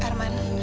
tapi jangan lalu